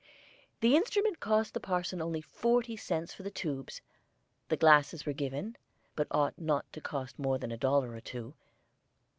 The instrument cost the parson only forty cents for the tubes; the glasses were given, but ought not to cost more than a dollar or two.